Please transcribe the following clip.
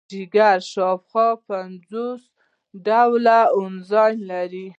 جگر شاوخوا پنځه سوه ډوله انزایم لري.